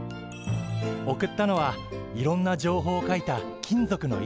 送ったのはいろんな情報を書いた金属の板だって。